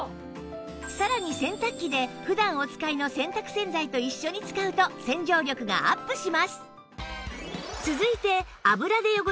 さらに洗濯機で普段お使いの洗濯洗剤と一緒に使うと洗浄力がアップします